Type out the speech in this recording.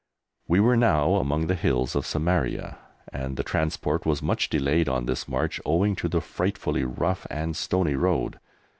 We were now among the hills of Samaria and the transport was much delayed on this march owing to the frightfully rough and stony road.